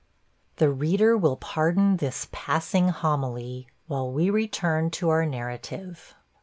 The reader will pardon this passing homily, while we return to our narrative.